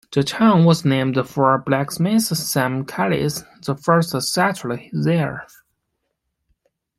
The town was named for blacksmith Sam Callis, the first settler there.